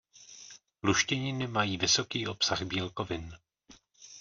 Luštěniny mají vysoký obsah bílkovin.